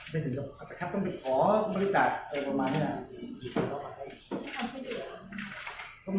มันดูพางอะไรอย่างนี้มันก็มีกางเกงขาดบ้างนะครับ